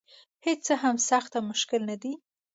هېڅ څه هم سخت او مشکل نه دي.